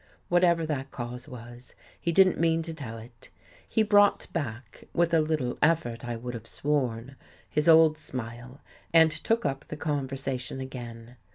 Whatever that cause was, he didn't mean to tell it. He brought back, with a little effort I would have sworn, his old smile and took up the conversa tion again.